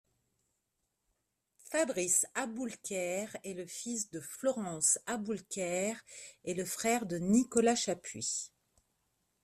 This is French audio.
Fabrice Aboulker est le fils de Florence Aboulker, et le frère de Nicolas Chapuis.